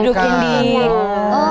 tempatnya yang semua